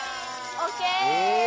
ＯＫ！